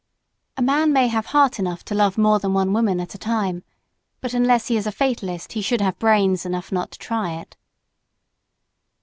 A man may have heart enough to love more than one woman at a time, but unless he is a fatalist he should have brains enough not to try it.